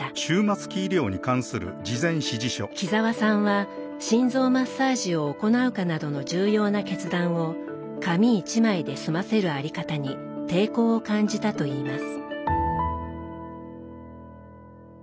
木澤さんは心臓マッサージを行うかなどの重要な決断を紙１枚で済ませる在り方に抵抗を感じたといいます。